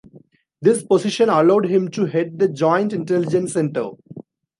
This position allowed him to head the Joint Intelligence Centre.